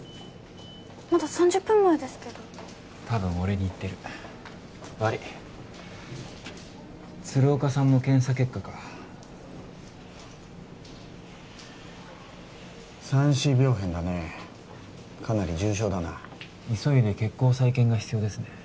まだ３０分前ですけどたぶん俺に言ってる悪い鶴岡さんの検査結果か三枝病変だねかなり重症だな急いで血行再建が必要ですね